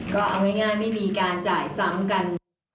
ก็เอาง่ายไม่มีการจ่ายซ้ำกัน